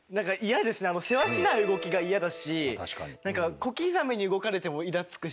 せわしない動きがイヤだし何か小刻みに動かれてもイラつくし。